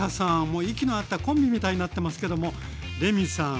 もう息の合ったコンビみたいになってますけどもレミさん